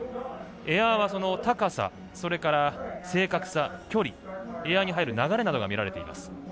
エアは高さ、それから正確さ距離、エアに入る流れなどが見られています。